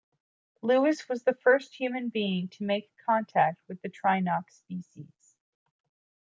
Louis was the first human being to make contact with the Trinoc species.